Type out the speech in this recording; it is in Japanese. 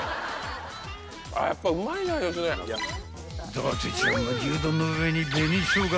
［伊達ちゃんは牛丼の上に紅生姜